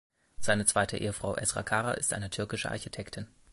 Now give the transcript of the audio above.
Seine zweite Ehefrau Esra Kara ist eine türkische Architektin.